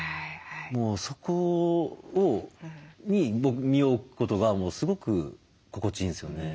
もうそこに身を置くことがすごく心地いいんですよね。